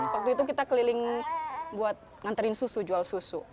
waktu itu kita keliling buat nganterin susu jual susu